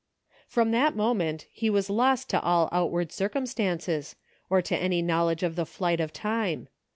From that moment he was lost to all outward circumstances, or to any knowledge of the flight of time.